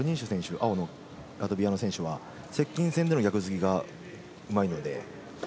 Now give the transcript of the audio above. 青のラトビアの選手は接近戦での逆突きがうまいので。